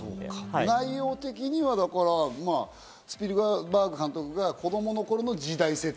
内容的にはスピルバーグ監督が子供の頃の時代設定。